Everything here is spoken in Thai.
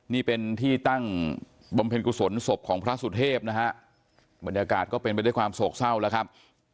นี่เป็นที่ตั้งบำเพ็ญกุศลศพของพระสุเทพนะฮะบรรยากาศก็เป็นไปด้วยความโศกเศร้าแล้วครับ